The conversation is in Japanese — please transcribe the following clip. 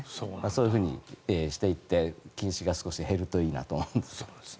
そういうふうにしていって近視が少し減るといいなと思います。